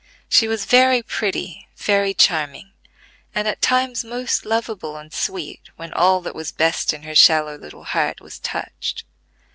She was very pretty, very charming, and at times most lovable and sweet when all that was best in her shallow little heart was touched.